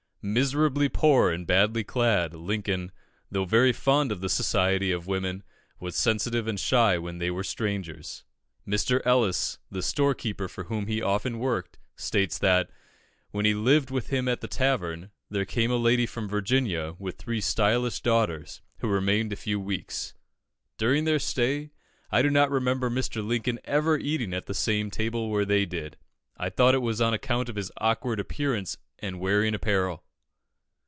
Miserably poor and badly clad, Lincoln, though very fond of the society of women, was sensitive and shy when they were strangers. Mr. Ellis, the storekeeper for whom he often worked, states that, when he lived with him at the tavern, there came a lady from Virginia with three stylish daughters, who remained a few weeks. "During their stay, I do not remember Mr. Lincoln ever eating at the same table where they did. I thought it was on account of his awkward appearance and wearing apparel."